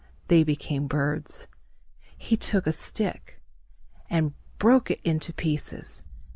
They became birds. He took a stick and broke it into pieces.